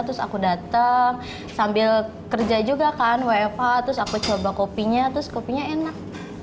terus aku datang sambil kerja juga kan wfa terus aku coba kopinya terus kopinya enak